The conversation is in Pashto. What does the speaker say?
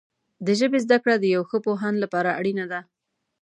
د ژبې زده کړه د یو ښه پوهاند لپاره اړینه ده.